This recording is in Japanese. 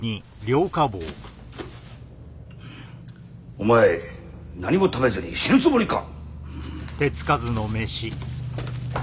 お前何も食べずに死ぬつもりか？